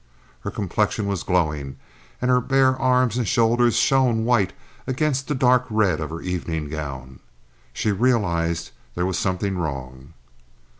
Her complexion was glowing, and her bare arms and shoulders shone white against the dark red of her evening gown. She realized there was something wrong.